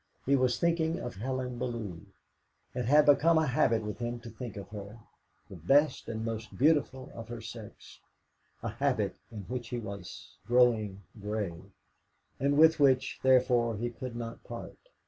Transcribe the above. He was thinking of Helen Bellew. It had become a habit with him to think of her, the best and most beautiful of her sex a habit in which he was growing grey, and with which, therefore, he could not part.